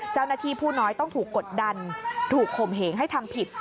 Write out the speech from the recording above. เจ้าหน้าที่ผู้น้อยต้องถูกกดดันถูกข่มเหงให้ทำผิด